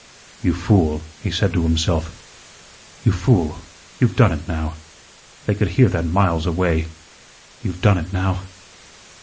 "You fool," he said to himself, "you fool. You've done it now. They could hear that miles away. You've done it now."